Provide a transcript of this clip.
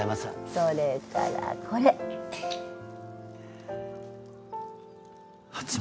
それからこれ蜂蜜